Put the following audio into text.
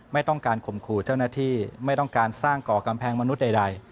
ไม่ต้องการข่มขู่เจ้าหน้าที่ไม่ต้องการสร้างก่อกำแพงมนุษย์ใด